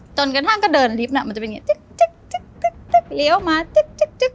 จนกระทั่งก็เดินลิฟต์น่ะมันจะเป็นอย่างนี้จิ๊กเลี้ยวมาจึ๊ก